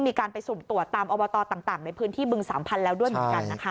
มีการไปสุ่มตรวจตามอบตต่างในพื้นที่บึงสามพันธุ์แล้วด้วยเหมือนกันนะคะ